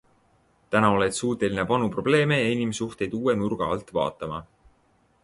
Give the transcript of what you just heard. Täna oled suuteline vanu probleeme ja inimsuhteid uue nurga alt vaatama.